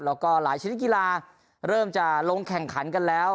แล้วก็หลายชนิดกีฬาเริ่มจะลงแข่งขันกันแล้ว